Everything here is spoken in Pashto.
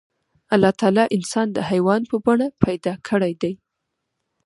الله تعالی انسان د حيوان په بڼه پيدا کړی دی.